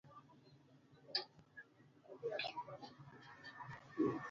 Loor dhoot gi kiful matek iaye